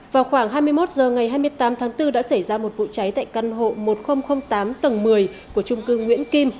vào khoảng hai mươi một h ngày hai mươi tám tháng bốn đã xảy ra một vụ cháy tại căn hộ một nghìn tám tầng một mươi của trung cư nguyễn kim